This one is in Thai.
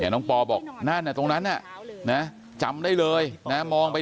น้องป่าบอกนั่นตรงนั้นจำได้เลยมองไป